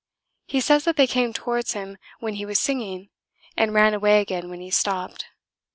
He says that they came towards him when he was singing, and ran away again when he stopped.